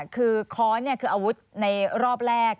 คือค้อนคืออาวุธในรอบแรก